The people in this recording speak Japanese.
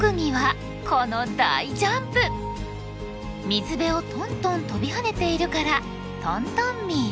水辺をトントン跳びはねているからトントンミー。